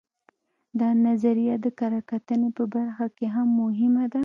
دا نظریه د کره کتنې په برخه کې هم مهمه ده